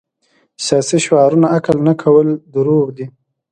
سیاسي شعارونه عمل نه کول دروغ دي.